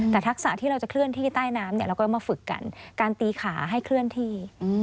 แต่ทักษะที่เราจะเคลื่อนที่ใต้น้ำเนี่ยเราก็จะมาฝึกกันการตีขาให้เคลื่อนที่